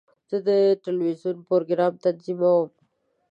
زه د ټلویزیون پروګرام تنظیموم.